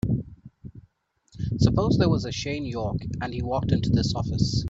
Suppose there was a Shane York and he walked into this office.